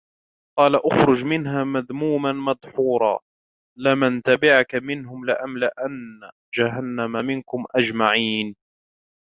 قَالَ اخْرُجْ مِنْهَا مَذْءُومًا مَدْحُورًا لَمَنْ تَبِعَكَ مِنْهُمْ لَأَمْلَأَنَّ جَهَنَّمَ مِنْكُمْ أَجْمَعِينَ